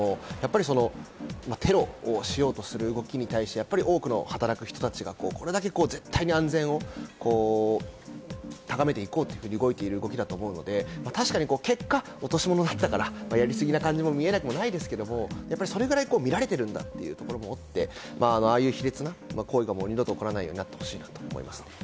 この間の選挙の時にも事件ありましたけれども、やっぱりテロをしようとする動きみたいなのに対して、多く働く人に対して絶対に安全を高めて行こうと動いている動きだと思うので、確かに結果、落とし物だったから、やりすぎな感じも見えなくもないですけど、それくらい見られているんだというところもあって、ああいう卑劣な二度と行為が起こらないようになってほしいなと思います。